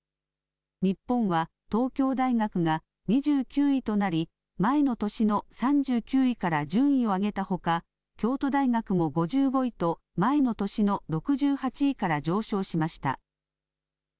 日本は東京大学が２９位となり前の年の３９位から順位を上げたほか京都大学も５５位と前の年の６８位から上昇しました。